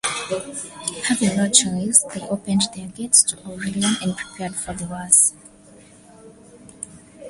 Having no choice they opened their gates to Aurelian and prepared for the worse.